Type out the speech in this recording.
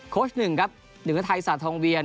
โค้ชหนึ่งครับหนึ่งก็ไทยศาสตร์ทองเวียน